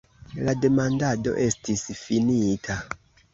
La demandado estis finita.